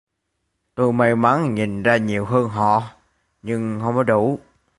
tôi may mắn nhìn ra nhiều hơn họ nhưng mà không có đủ